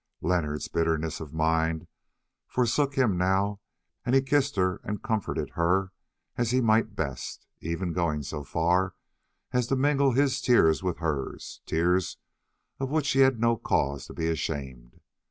Leonard's bitterness of mind forsook him now, and he kissed her and comforted her as he might best, even going so far as to mingle his tears with hers, tears of which he had no cause to be ashamed.